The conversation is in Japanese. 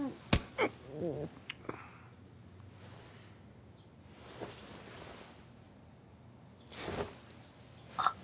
うっあっ